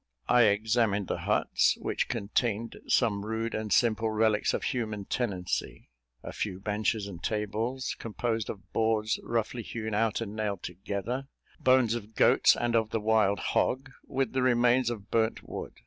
I examined the huts, which contained some rude and simple relics of human tenancy: a few benches and tables, composed of boards roughly hewn out and nailed together; bones of goats, and of the wild hog, with the remains of burnt wood.